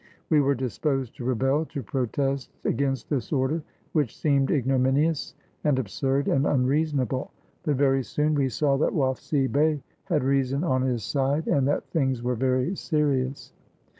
We were disposed to rebel, to protest against this order, which seemed ignominious, and absurd, and unreason able. But very soon we saw that Waffsy Bey had reason on his side and that things were very serious.